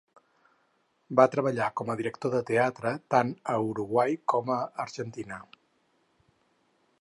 Va treballar com a director de teatre tant a Uruguai com a Argentina.